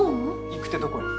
行くってどこへ？